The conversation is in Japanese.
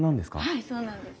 はいそうなんです。